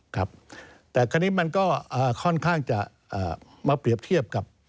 ครับแต่คราวนี้มันก็ค่อนข้างจะมาเปรียบเทียบกับ